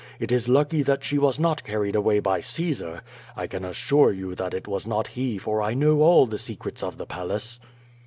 It is lucky that she was not carried away by Caesar. I can assure you that it was not he for I know all the secrets of the Palace."